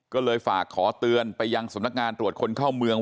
ก็เลยฝากขอเตือนไปยังสำนักงานตรวจคนเข้าเมือง